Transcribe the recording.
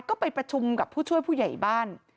ก็ไปประชุมกับผู้ช่วยผู้ใหญ่บ้าน